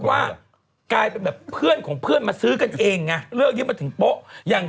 ว่ากลายเป็นแบบเพื่อนของเพื่อนมาซื้อกันเองเลือกยิ้มมาถึงโป๊ะ